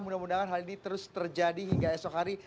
mudah mudahan hal ini terus terjadi hingga esok hari